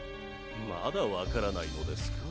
まだわからないのですか？